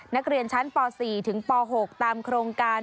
นักเรียนชั้นป๔ถึงป๖ตามโครงการ